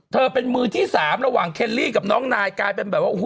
เป็นมือที่สามระหว่างเคลลี่กับน้องนายกลายเป็นแบบว่าโอ้โห